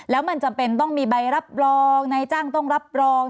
แล้วมันจำเป็นต้องมีใบรับรองนายจ้างต้องรับรอง